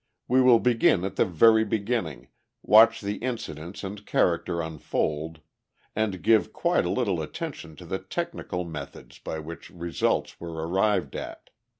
We will begin at the very beginning, watch the incidents and character unfold, and give quite a little attention to the technical methods by which results were arrived at.